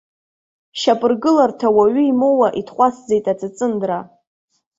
Шьапыргыларҭа уаҩы имоуа итҟәацӡеит аҵыҵындра.